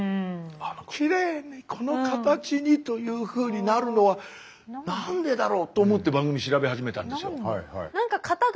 きれいにこの形にというふうになるのはなんでだろう？と思って番組調べ始めたんですよ。